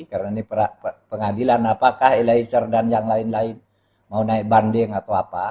karena ini pengadilan apakah eliezer dan yang lain lain mau naik banding atau apa